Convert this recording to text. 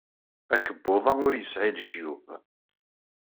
Akebbuḍ-a ur yesɛi lejyub.